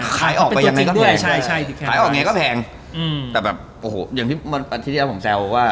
ขายออกไปยังไงก็แพงแต่แบบโอ้โหทีเดียวผมแซวว่า